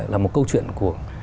là một câu chuyện của